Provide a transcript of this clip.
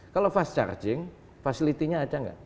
kalau fast charging facility nya ada nggak